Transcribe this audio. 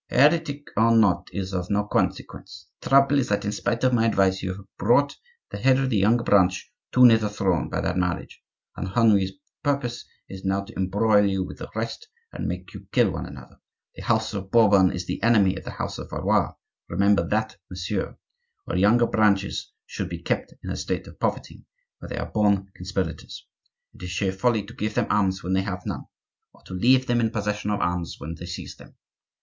"Heretic or not is of no consequence; the trouble is that, in spite of my advice, you have brought the head of the younger branch too near the throne by that marriage, and Henri's purpose is now to embroil you with the rest and make you kill one another. The house of Bourbon is the enemy of the house of Valois; remember that, monsieur. All younger branches should be kept in a state of poverty, for they are born conspirators. It is sheer folly to give them arms when they have none, or to leave them in possession of arms when they seize them.